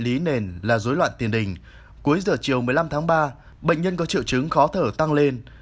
lý nền là dối loạn tiền đình cuối giờ chiều một mươi năm tháng ba bệnh nhân có triệu chứng khó thở tăng lên